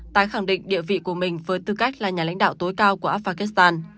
tái khẳng định địa vị của mình với tư cách là nhà lãnh đạo tối cao của afghan